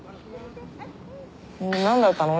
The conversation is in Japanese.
何だったの？